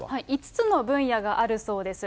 ５つの分野があるそうです。